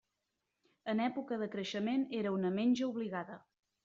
En època de creixement era una menja obligada.